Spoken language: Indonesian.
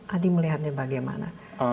adi melihatnya bagaimana